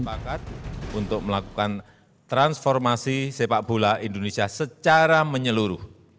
kita sepakat untuk melakukan transformasi sepak bola indonesia secara menyeluruh